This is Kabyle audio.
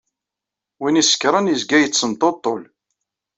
Win isekṛen, izga yettemṭuṭul.